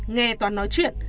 nghe toán nói chuyện